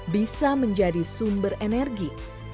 bisa menjadi sumber energi